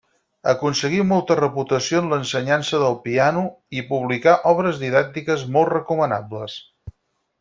Aconseguí molta reputació en l'ensenyança del piano i publicà obres didàctiques molt recomanables.